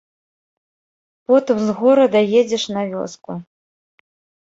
Потым з горада едзеш на вёску.